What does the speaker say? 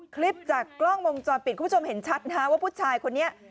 คลิปจากกล้องวงจรปิดคุณผู้ชมเห็นชัดนะฮะว่าผู้ชายคนนี้